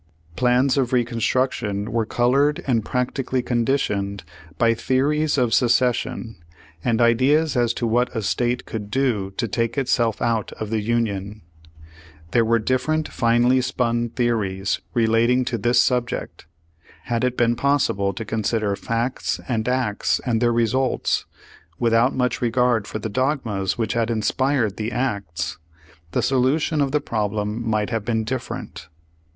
Flans of Reconstruction were colored and prac tically conditioned by theories of secession, and ideas as to what a state could do to take itself out of the Union. There were different finely spun theories relating to this subject. Had it been possible to consider facts and acts, and their results, without much regard for the dogmas which had inspired the acts, the solution of the problem might have been different.